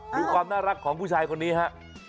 ดูความน่ารักของผู้ชายคนนี้ฮะ